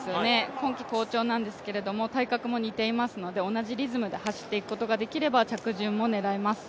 今季好調なんですけれども体格も似ていますので、同じリズムで走っていくことができれば着順も狙えます。